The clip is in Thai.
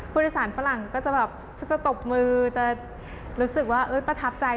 ผู้โดยสารฝรั่งก็จะแบบจะตบมือจะรู้สึกว่าประทับใจ